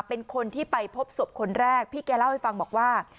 เป็นคนที่ไปพบศพคนแรกพี่แกเล่าให้ฟังบอกว่า